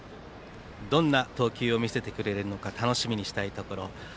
どんな投球を見せてくれるのか楽しみにしたいところ。